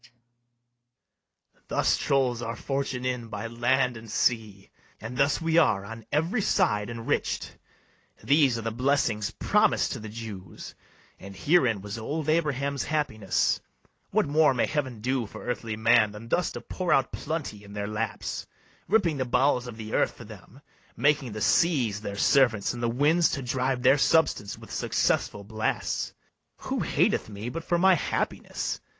[Exit.] BARABAS. Thus trolls our fortune in by land and sea, And thus are we on every side enrich'd: These are the blessings promis'd to the Jews, And herein was old Abraham's happiness: What more may heaven do for earthly man Than thus to pour out plenty in their laps, Ripping the bowels of the earth for them, Making the sea[s] their servants, and the winds To drive their substance with successful blasts? Who hateth me but for my happiness?